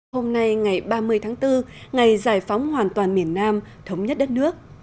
hôm nay ngày ba mươi tháng bốn ngày giải phóng hoàn toàn miền nam thống nhất đất nước